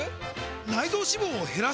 内臓脂肪を減らす！？